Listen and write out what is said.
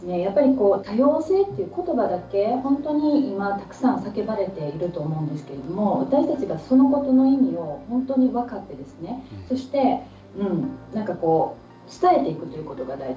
そうですね、やっぱり多様性ということばだけ本当に今、たくさん叫ばれていると思うんですけれども、私たちがそのことの意味を本当に分かって、そしてなんかこう、伝えていくということが大事。